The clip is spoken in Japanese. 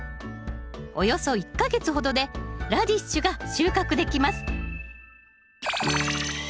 およそ１か月ほどでラディッシュが収穫できます